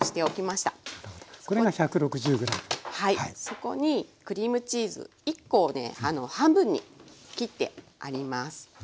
そこにクリームチーズ１コをね半分に切ってあります。